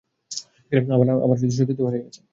আমার সতীত্বও হারিয়ে গেছে!